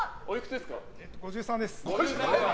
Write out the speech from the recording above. ５３です。